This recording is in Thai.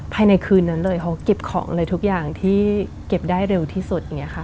ภายในคืนนั้นเลยเขาก็เก็บของเลยทุกอย่างที่เก็บได้เร็วที่สุด